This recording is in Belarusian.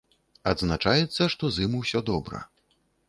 Адзначаецца, што з ім усё добра.